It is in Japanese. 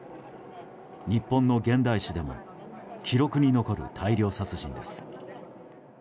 日本の現代史でも記録に残る大量殺人です。